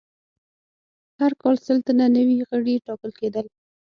هر کال سل تنه نوي غړي ټاکل کېدل.